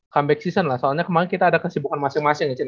comeback season lah soalnya kemarin kita ada kesibukan masing masing